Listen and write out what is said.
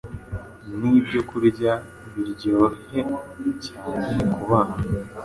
Nibyokurya biryohye cyane kubana